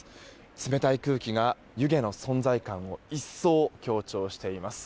冷たい空気が湯気の存在感を一層、強調しています。